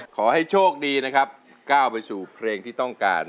ขอให้โชคดีนะครับก้าวไปสู่เพลงที่ต้องการ